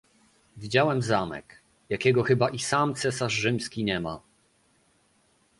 "Widziałem zamek, jakiego chyba i sam cesarz rzymski nie ma."